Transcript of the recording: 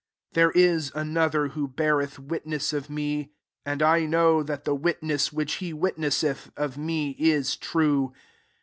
32 Th^re is another who beareth witness of me ; and I know that the witness which he witnesseth of me is true.